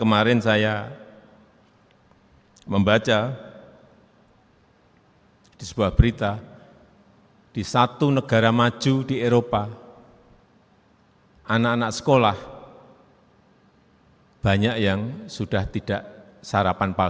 kita tahu penduduk kita sudah dua ratus tujuh puluh delapan juta penduduk kita saat ini sudah dua ratus tujuh puluh delapan juta